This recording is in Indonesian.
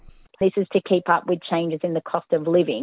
ini untuk mengembangkan perubahan dalam harga hidup